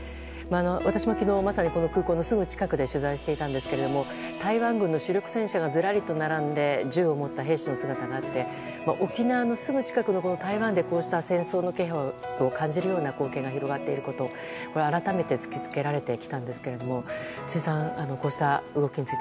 私も昨日まさにこの空港のすぐ近くで取材していたんですが台湾軍の主力戦車がずらりと並んで銃を持った兵士の姿があって沖縄のすぐ近くでこうした戦争の気配を感じるような光景が広がっていることを改めて突きつけられましたが辻さん、どうですか。